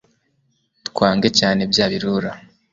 Twange cyane bya birura